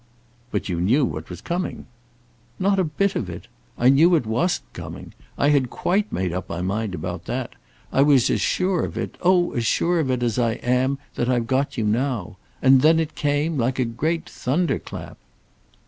"But you knew what was coming." "Not a bit of it. I knew it wasn't coming. I had quite made up my mind about that. I was as sure of it; oh, as sure of it as I am that I've got you now. And then it came; like a great thunderclap."